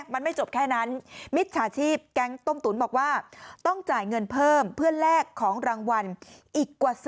มันเรียกว่าโชคดีได้อย่างไร